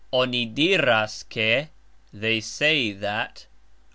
Oni diras, ke... They say, that...